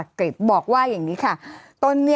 ยังไม่ได้ตอบรับหรือเปล่ายังไม่ได้ตอบรับหรือเปล่า